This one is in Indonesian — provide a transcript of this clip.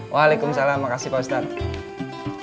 waalaikumsalam makasih pak ustadz